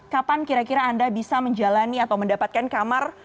kapan kira kira anda bisa menjalani atau mendapatkan kamar